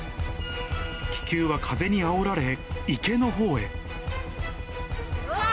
気球は風にあおられ、池のほうへ。